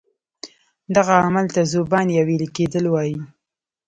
دغه عمل ته ذوبان یا ویلي کیدل وایي.